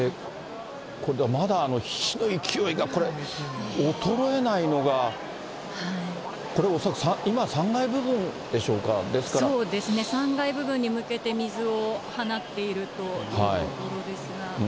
まだ火の勢いがこれ、衰えないのが、これ、恐らく今、そうですね、３階部分に向けて水を放っているというところですが。